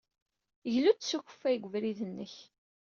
Glu-d s ukeffay deg ubrid-nnek.